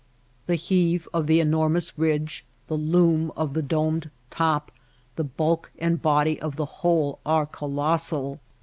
The heave of the enormous ridge, the loom of the domed top, the bulk and body of the whole are colossal.